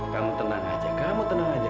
kamu tenang saja kamu tenang saja